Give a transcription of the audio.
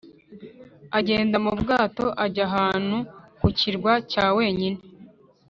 agenda mu bwato ajya ahantu ku kirwa cyawenyine.